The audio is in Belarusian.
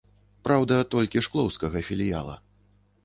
Праўда, толькі шклоўскага філіяла.